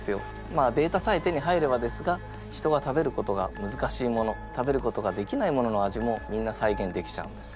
まあデータさえ手に入ればですが人が食べることがむずかしいもの食べることができないものの味もみんな再現できちゃうんです。